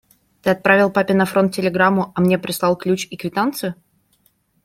Ты отправил папе на фронт телеграмму, а мне прислал ключ и квитанцию?